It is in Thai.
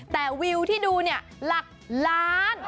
แต่วิวที่ดูเนี่ยหลักล้าน